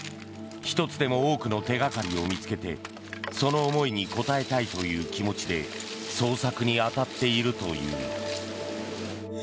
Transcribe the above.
一つでも多くの手掛かりを見つけてその思いに応えたいという気持ちで捜索に当たっているという。